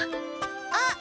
あっ！